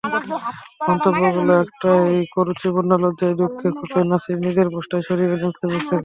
মন্তব্যগুলো এতটাই কুরুচিপূর্ণ, লজ্জায়-দুঃখে-ক্ষোভে নাসির নিজের পোস্টটাই সরিয়ে নেন ফেসবুক থেকে।